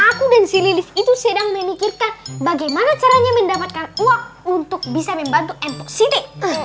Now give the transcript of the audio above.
aku dan si lilis itu sedang memikirkan bagaimana caranya mendapatkan uang untuk bisa membantu empoksidik